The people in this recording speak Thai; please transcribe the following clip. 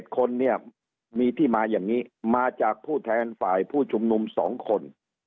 ๗คนเนี่ยมีที่มาอย่างนี้มาจากผู้แทนฝ่ายผู้ชุมนุม๒คน